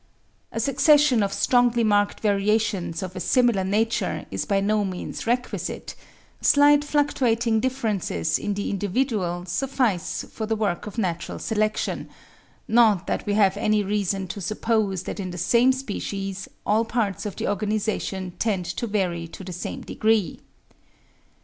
A succession of strongly marked variations of a similar nature is by no means requisite; slight fluctuating differences in the individual suffice for the work of natural selection; not that we have any reason to suppose that in the same species, all parts of the organisation tend to vary to the same degree.